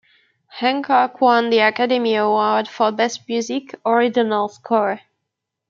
Hancock won the Academy Award for Best Music, Original Score.